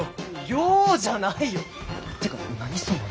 ようじゃないよてか何その頭。